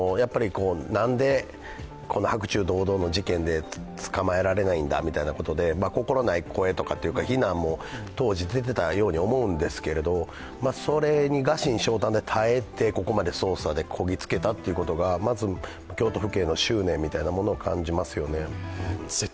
なんで白昼堂々の事件で捕まえられないんだということで、心ない声というか非難も当時出ていたように思うんですがそれに臥薪嘗胆で耐えて、ここまで捜査にこぎ着けたことがまず京都府警の執念みたいなものを感じますよね。